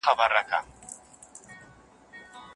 په پخوانیو بازارونو کي ممیز په څه ډول تبادله کيدل؟